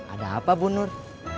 ada apa bu nur